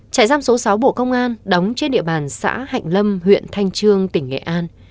trại giam số sáu bộ công an đóng trên địa bàn xã hạnh lâm huyện thanh trương tỉnh nghệ an